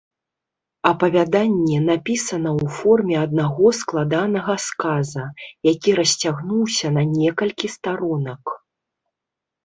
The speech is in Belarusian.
Апавяданне напісана ў форме аднаго складанага сказа, які расцягнуўся на некалькі старонак.